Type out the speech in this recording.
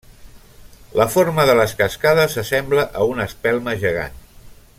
La forma de les cascades s'assembla a una espelma gegant.